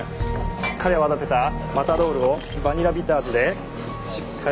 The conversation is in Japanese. しっかり泡立てたマタドールをバニラビターズでしっかり。